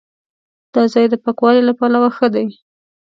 دا ځای د پاکوالي له پلوه ښه دی.